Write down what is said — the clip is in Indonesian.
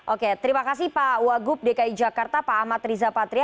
oke terima kasih pak wagub dki jakarta pak ahmad riza patria